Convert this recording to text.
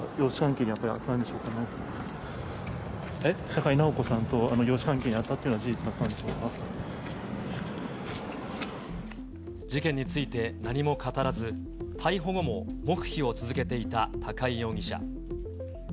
高井直子さんと養子関係にあったっていうのは事実だったんで事件について、何も語らず、逮捕後も黙秘を続けていた高井容疑者。